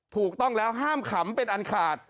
ถูกต้องแล้วห้ามขำเป็นอันขาด